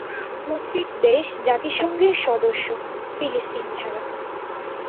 প্রত্যেক দেশ জাতিসংঘের সদস্য, ফিলিস্তিন ছাড়া।